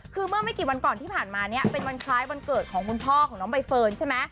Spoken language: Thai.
คือเมื่อไม่กี่วันก่อนที่ผ่านมาเนี่ยเป็นวันคล้ายวันเกิดของคุณพ่อของน้องใบเฟิร์นใช่ไหม